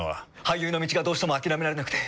俳優の道がどうしても諦められなくて。